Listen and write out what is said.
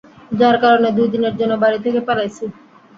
যার কারণে দুই দিনের জন্য বাড়ি থেকে পালাইছি।